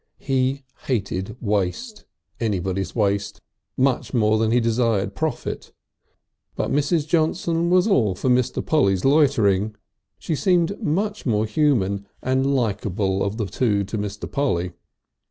He hated waste, anybody's waste, much more than he desired profit. But Mrs. Johnson was all for Mr. Polly's loitering. She seemed much the more human and likeable of the two to Mr. Polly.